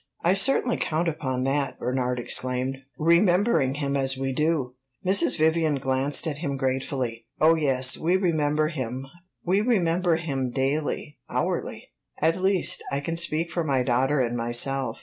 "I certainly count upon that," Bernard exclaimed "remembering him as we do!" Mrs. Vivian glanced at him gratefully. "Oh yes, we remember him we remember him daily, hourly. At least, I can speak for my daughter and myself.